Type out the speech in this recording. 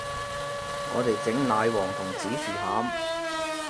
我哋整奶黃同紫薯餡